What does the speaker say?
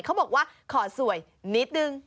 เขาบอกว่าขอสวยนิดนึง